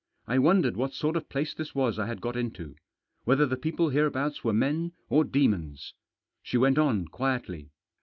I wondered what sort of place this was I had got into, whether the people hereabouts were men or demons. She went on quietly.